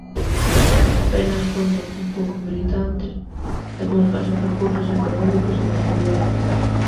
Apenas conta cuns poucos militantes e con escasos recursos económicos e materiais.